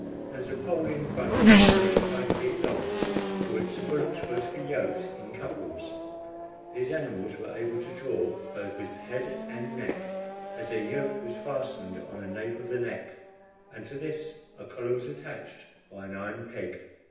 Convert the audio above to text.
There was a pole in front thirty five feet long, to which the bullocks were to be yoked in couples. These animals were able to draw both with head and neck, as their yoke was fastened on the nape of the neck, and to this a collar was attached by an iron peg.